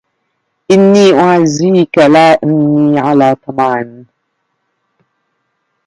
إِنّي أُعَزّيكَ لا أَنّي عَلى طَمَعٍ